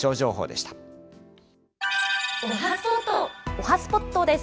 おはＳＰＯＴです。